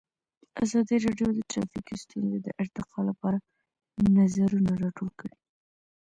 ازادي راډیو د ټرافیکي ستونزې د ارتقا لپاره نظرونه راټول کړي.